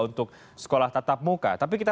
untuk sekolah tatap muka tapi kita